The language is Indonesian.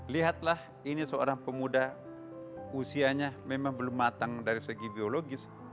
lihatlah ini seorang pemuda usianya memang belum matang dari segi biologis